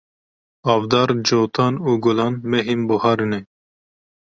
Avdar, Cotan û Gulan mehên buharê ne.